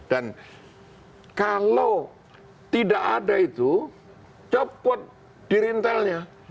dan kalau tidak ada itu copot dirintelnya